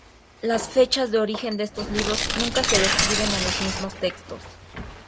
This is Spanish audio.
Las fechas de origen de estos libros nunca se describen en los mismos textos.